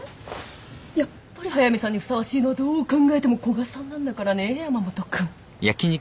やっぱり速見さんにふさわしいのはどう考えても古賀さんなんだからね山本君。